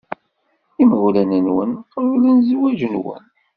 Imawlan-nwen qeblen zzwaj-nwen?